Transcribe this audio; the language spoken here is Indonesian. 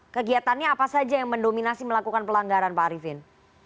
kegiatannya apa saja yang mendominasi melakukan pelanggaran pak arifin